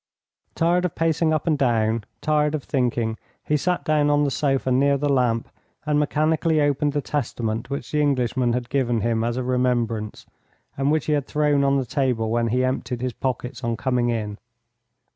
Tired of pacing up and down, tired of thinking, he sat down on the sofa near the lamp and mechanically opened the Testament which the Englishman had given him as a remembrance, and which he had thrown on the table when he emptied his pockets on coming in.